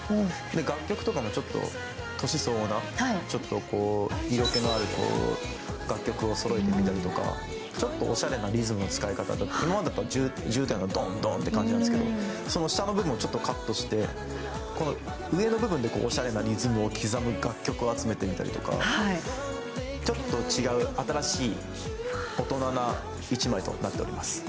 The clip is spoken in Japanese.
楽曲とかもちょっと年相応な、ちょっと色気のある楽曲をそろえてみたりとか、ちょっとおしゃれなリズムの使い方とか今までだったり重低音をドンドンって感じなんですけどその下の部分をちょっとカットして上の部分をおしゃれなリズムを刻む楽曲を集めてみたりとか、ちょっと違う新しい大人な１枚となっております。